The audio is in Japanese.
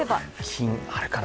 金あるかな？